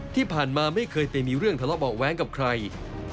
ที่ผ่านมาไม่เคยไปมีเรื่องทะเลาะเบาะแว้งกับใคร